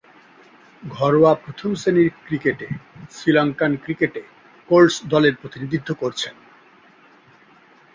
ঘরোয়া প্রথম-শ্রেণীর শ্রীলঙ্কান ক্রিকেটে কোল্টস দলের প্রতিনিধিত্ব করছেন।